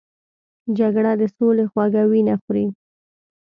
جګړه د سولې خوږه وینه خوري